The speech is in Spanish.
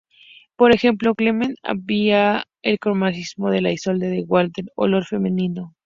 Por ejemplo, Clement llama al cromatismo en la "Isolde" de Wagner "olor femenino".